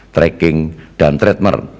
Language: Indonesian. tracking dan trademark